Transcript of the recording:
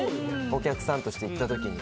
お客さんとして行った時に。